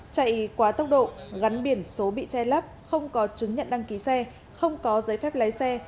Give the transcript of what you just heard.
chạy quá tốc độ gắn biển số bị che lắp không có chứng nhận đăng ký xe không có giấy phép lái xe